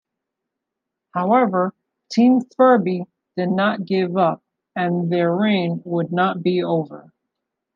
However, Team Ferbey did not give up, and their reign would not be over.